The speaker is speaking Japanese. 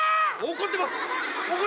怒ってます！